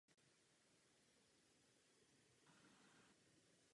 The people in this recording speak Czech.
Účinek této vazby se snižuje se snižující se teplotou při transformaci.